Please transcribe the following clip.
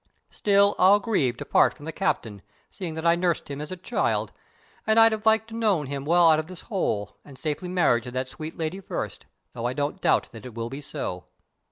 Still, I'll grieve to part from the Captain, seeing that I nursed him as a child, and I'd have liked to know him well out of this hole, and safely married to that sweet lady first, though I don't doubt that it will be so."